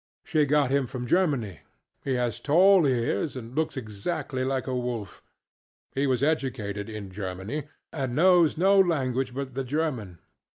She got him from Germany. He has tall ears and looks exactly like a wolf. He was educated in Germany, and knows no language but the German.